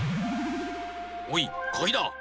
おいかぎだ！